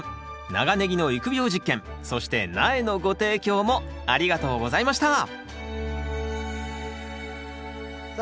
長ネギの育苗実験そして苗のご提供もありがとうございましたさあ